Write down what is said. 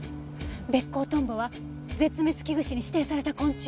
ベッコウトンボは絶滅危惧種に指定された昆虫。